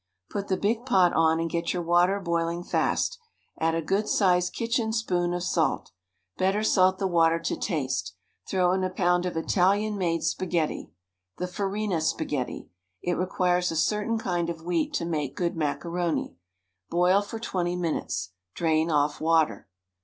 Put the big pot on and get your water boiling fast. Add a good sized kitchen spoon of salt. Better salt the WRITTEN FOR MEN BY MEN water to taste. Throw in a pound of Italian made spaghetti ... the Farina spaghetti. It requires a certain kind of wheat to make good macaroni. Boil for twenty minutes. Drain off water.